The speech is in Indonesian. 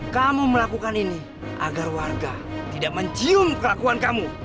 kamu melakukan ini agar warga tidak mencium kelakuan kamu